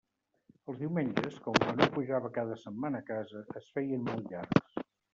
Els diumenges, com que no pujava cada setmana a casa, es feien molt llargs.